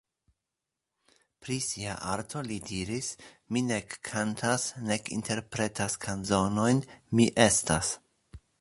Pri sia arto li diris: "Mi nek kantas nek interpretas kanzonojn, mi estas.